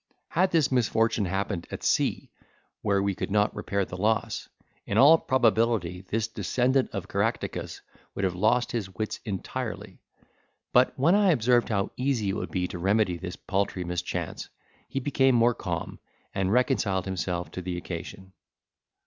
Had this misfortune happened at sea, where we could not repair the loss, in all probability this descendant of Caractacus would have lost his wits entirely; but, when I observed how easy it would be to remedy this paltry mischance, he became more calm, and reconciled himself to the occasion.